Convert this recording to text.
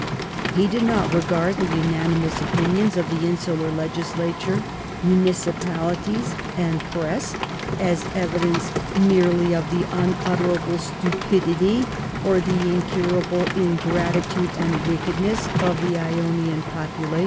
He did not regard the unanimous opinions of the insular legislature, municipalities, and press as evidence merely of the unutterable stupidity or the incurable ingrati tude and wickedness of the Ionian populations."